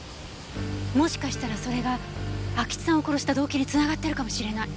もしかしたらそれが安芸津さんを殺した動機につながってるかもしれない。